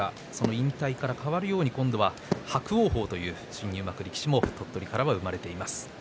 引退からかわるように伯桜鵬という新入幕力士も鳥取から生まれています。